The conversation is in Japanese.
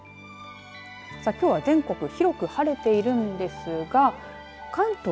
さあ、きょうは全国広く晴れているんですが関東